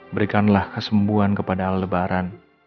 berikanlah kesembuhan kepada lebaran